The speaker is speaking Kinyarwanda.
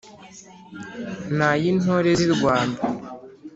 Ni ay' intore z' i Rwanda